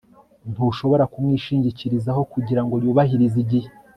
Ntushobora kumwishingikirizaho kugirango yubahirize igihe